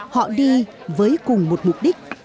họ đi với cùng một mục đích